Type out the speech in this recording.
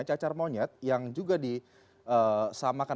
cacar monyet yang juga disamakan